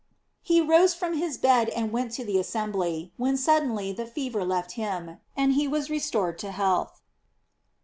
He rose from his bed and went to the assembly, when suddenly the fever left him, and he was restored to health.